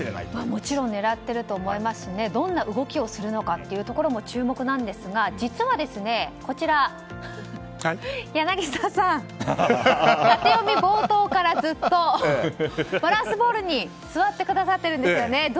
もちろん狙っていると思いますしどんな動きをするのかも注目ですが柳澤さん、タテヨミ冒頭からずっとバランスボールに座ってくださっているんですよね。